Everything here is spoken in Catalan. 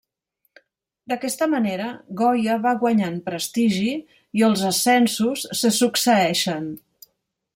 D'aquesta manera Goya va guanyant prestigi, i els ascensos se succeeixen.